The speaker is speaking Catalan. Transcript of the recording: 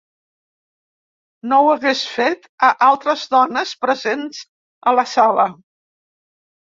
No ho hagués fet a altres dones presents a la sala.